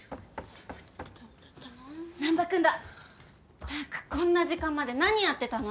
ったくこんな時間まで何やってたの。